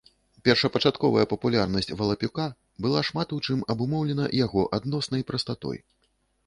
Першапачатковая папулярнасць валапюка была шмат у чым абумоўлена яго адноснай прастатой.